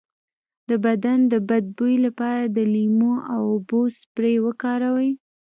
د بدن د بد بوی لپاره د لیمو او اوبو سپری وکاروئ